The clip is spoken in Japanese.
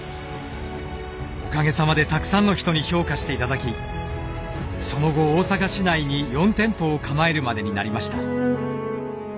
おかげさまでたくさんの人に評価して頂きその後大阪市内に４店舗を構えるまでになりました。